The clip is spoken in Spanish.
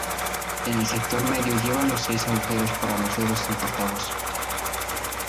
En el sector medio lleva los seis agujeros para los dedos, sin portavoz.